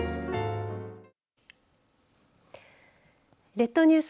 列島ニュース